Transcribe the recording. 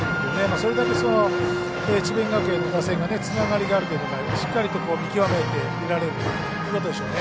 それだけ智弁学園の打線がつながるというかしっかりと見極めていられるということでしょうね。